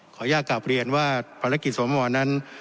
อนุญาตกลับเรียนว่าภารกิจสวนั้น